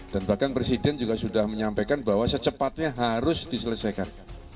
dan bahkan presiden juga sudah menyampaikan bahwa secepatnya harus diselesaikan